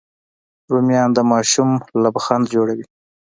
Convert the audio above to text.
رومیان د ماشوم لبخند جوړوي